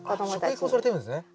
食育もされてるんですね。